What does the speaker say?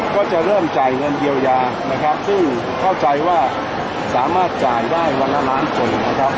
ก็จะเริ่มจ่ายเงินเยียวยานะครับซึ่งเข้าใจว่าสามารถจ่ายได้วันละล้านคนนะครับ